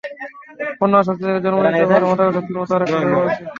Porno আসক্তি থেকে জন্ম নিতে পারে মাদকাসক্তির মতো আরেকটি ভয়াবহ অসুখ।